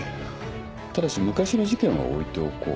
ただし昔の事件は置いておこう。